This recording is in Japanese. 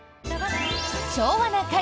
「昭和な会」